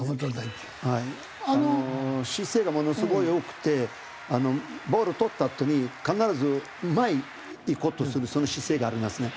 姿勢がものすごいよくてボール取ったあとに必ず前に行こうとするその姿勢がありますね。